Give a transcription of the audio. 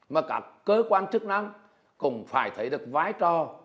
mà các cơ quan chức năng cũng phải thấy được vai trò